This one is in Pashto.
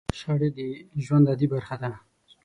شخړې د ژوند عادي برخه ده.